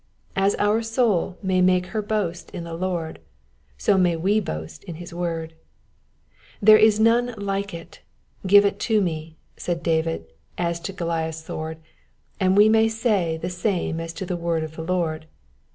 As our soul may make her boast in the Lord, so may we boast in his word. " There is none like it : give it me," said David as to Goliath's sword, and we may say the same as to the word of the Lord.